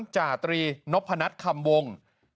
จาตรีนพนัทคำวง